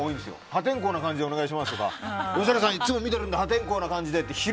破天荒な感じでお願いしますとか吉村さん、いつも見てるんで破天荒な感じで、と。